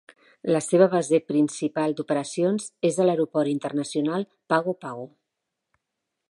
La seva base principal d'operacions és a l'aeroport internacional Pago Pago.